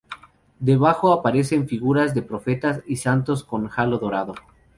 Debajo aparecen figuras de profetas y santos con halo dorado.